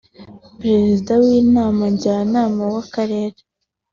Perezida w’Inama Njyanama y’akarere